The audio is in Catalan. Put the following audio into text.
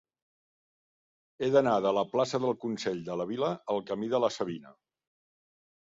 He d'anar de la plaça del Consell de la Vila al camí de la Savina.